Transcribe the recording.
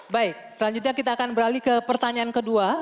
baik selanjutnya kita akan beralih ke pertanyaan kedua